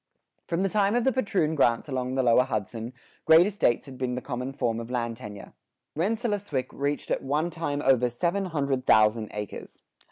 From the time of the patroon grants along the lower Hudson, great estates had been the common form of land tenure. Rensselaerswyck reached at one time over seven hundred thousand acres.